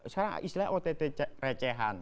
sekarang istilahnya ott recehan